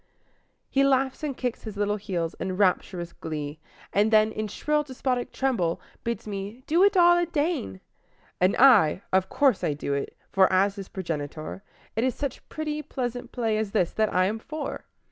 He laughs and kicks his little heels in rapturous glee, and then In shrill, despotic treble bids me "do it all aden!" And I of course I do it; for, as his progenitor, It is such pretty, pleasant play as this that I am for!